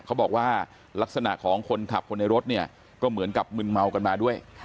เขาบอกว่าลักษณะของคนขับคนในรถเนี่ยก็เหมือนกับมึนเมากันมาด้วย